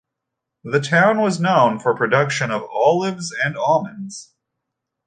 The town was known for production of olives and almonds.